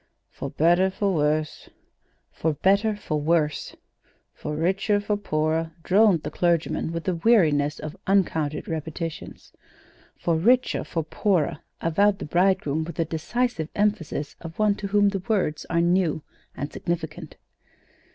"For better for worse." "'For better for worse.'" "For richer for poorer," droned the clergyman, with the weariness of uncounted repetitions. "'For richer for poorer,'" avowed the bridegroom, with the decisive emphasis of one to whom the words are new and significant.